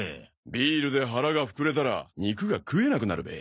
ビールで腹が膨れたら肉が食えなくなるべ。